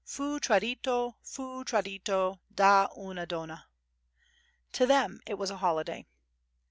"Fu tradito, fu tradito da una donna." To them it was a holiday.